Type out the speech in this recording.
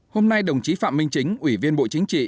hôm nay đồng chí phạm minh chính ủy viên bộ chính trị